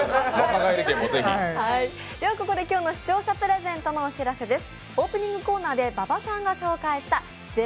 ではここで今日の視聴者プレゼントのお知らせです。